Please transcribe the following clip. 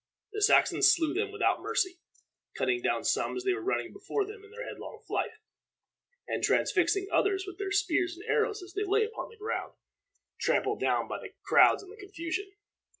The Saxons slew them without mercy, cutting down some as they were running before them in their headlong flight, and transfixing others with their spears and arrows as they lay upon the ground, trampled down by the crowds and the confusion.